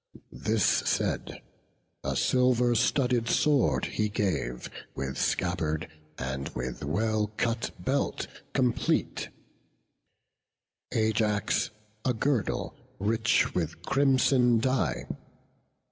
'" This said, a silver studded sword he gave, With scabbard and with well cut belt complete; Ajax a girdle, rich with crimson dye.